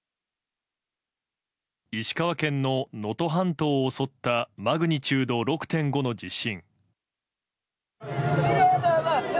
石川県の能登半島を襲ったマグニチュード６．５の地震。